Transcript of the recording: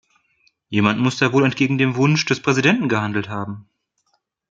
Jemand muss da wohl entgegen dem Wunsch des Präsidenten gehandelt haben.